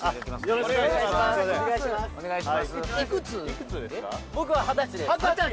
よろしくお願いします二十歳！